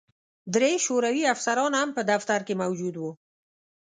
درې شوروي افسران هم په دفتر کې موجود وو